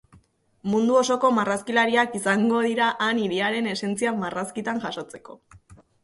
Mundu osoko marrazkilariak izango dira han hiriaren esentzia marrazkitan jasotzeko.